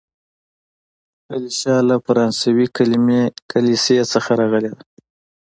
کلیشه له فرانسوي کليمې کلیسې څخه راغلې ده.